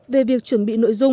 về việc chuẩn bị nội dung